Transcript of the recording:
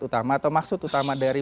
utama atau maksud utama dari